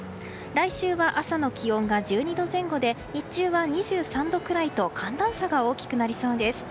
来週は朝の気温が１２度前後で日中は２３度くらいと寒暖差が大きくなりそうです。